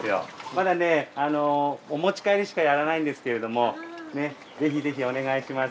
まだねお持ち帰りしかやらないんですけれどもぜひぜひお願いします。